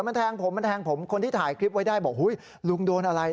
มันแทงผมคนที่ถ่ายคลิปไว้ได้บอกลุงโดนอะไร